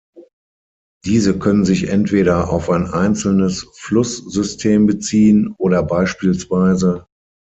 Diese können sich entweder auf ein einzelnes Flusssystem beziehen, oder bspw.